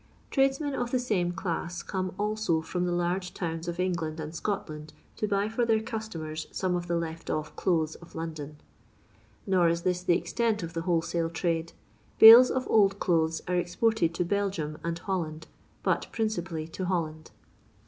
Tradesmen of the same class come also from the hurge towns of England and Scotland to buy for their customers some of the left off clothes of London. Nor is this the extent of the wholesale trade. Bales of old clothes are exported to Belgium and Holland, but principally to Holland.